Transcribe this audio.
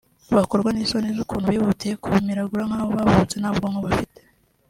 bakorwa n’isoni z’ukuntu bihutiye kubimiragura nk’aho bavutse nta bwonko bafite